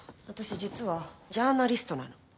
私実はジャーナリストなの。